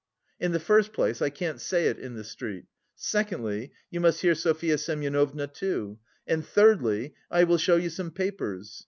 "In the first place, I can't say it in the street; secondly, you must hear Sofya Semyonovna too; and, thirdly, I will show you some papers....